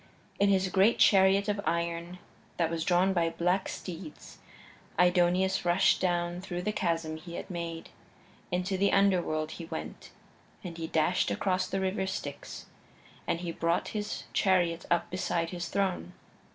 In his great chariot of iron that was drawn by black steeds Aidoneus rushed down through the chasm he had made. Into the Underworld he went, and he dashed across the River Styx, and he brought his chariot up beside his throne.